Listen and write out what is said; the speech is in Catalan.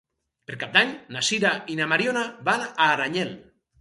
Per Cap d'Any na Sira i na Mariona van a Aranyel.